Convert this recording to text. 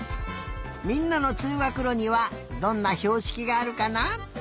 みんなのつうがくろにはどんなひょうしきがあるかな？